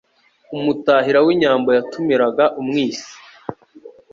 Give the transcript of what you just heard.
umutahira w'inyambo yatumiraga umwisi